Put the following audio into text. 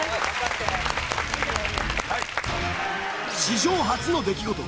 史上初の出来事。